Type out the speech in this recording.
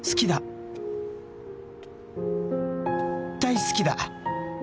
大好きだ